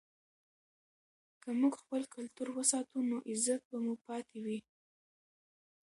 که موږ خپل کلتور وساتو نو عزت به مو پاتې وي.